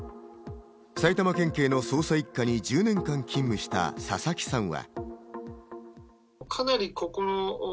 埼玉県警の捜査一課に１０年間勤務した、佐々木さんは。